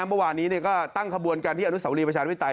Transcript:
เมื่อวานนี้เนี่ยก็ตั้งขบวนการพิธีอนุสาวรีประชานวิทัย